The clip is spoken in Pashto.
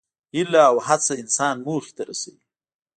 هیله او هڅه انسان موخې ته رسوي.